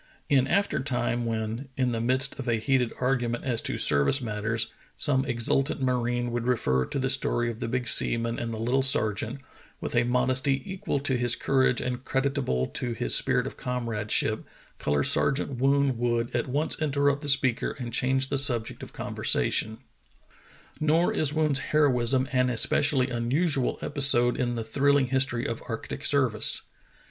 In after time when, in the midst of a heated argument as to service matters, some exultant marine would refer to the story of the big seaman and the little sergeant, with a modesty equal to his courage and creditable to his spirit of comradeship Color Sergeant Woon would at once interrupt the speaker and change the subject of conversation. How Woon Won Promotion 117 Nor is Woon's heroism an especially unusual episode in the thrilling history of arctic service.